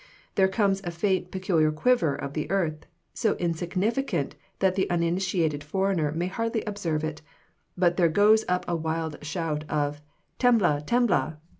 There comes a faint peculiar quiver of the earth, so insignificant that the uninitiated foreigner may hardly observe it: but there goes up a wild shout of "Tembla! Tembla!"